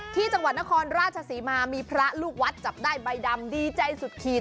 ที่จังหวัดนครราชศรีมามีพระลูกวัดจับได้ใบดำดีใจสุดขีด